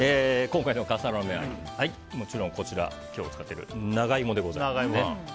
今回の笠原の眼はもちろんこちら、今日使っている長イモでございます。